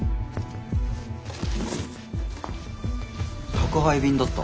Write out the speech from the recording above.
宅配便だった。